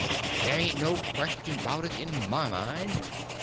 Ther' ain't no question 'bout it in my mind.